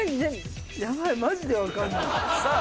ヤバいマジで分かんないさあ